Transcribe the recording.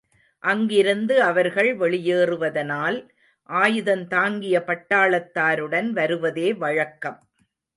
அங்கிருந்து அவர்கள் வெளியேறுவதனால் ஆயுதந்தாங்கிய பட்டாளத்தாருடன் வருவதே வழக்கம்.